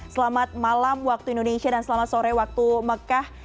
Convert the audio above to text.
selamat malam waktu indonesia dan selamat sore waktu mekah